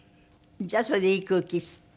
じゃあそれでいい空気吸って。